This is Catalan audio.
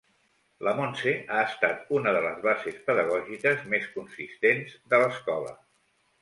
La Montse ha estat una de les bases pedagògiques més consistents de l’escola.